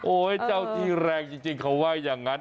โอ้ยเจ้าที่แรงจริงคั้นว่ายังไง